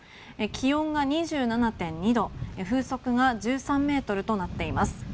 気温が２７．２度、風速が１３メートルとなっています。